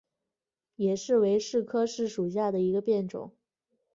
野柿为柿科柿属下的一个变种。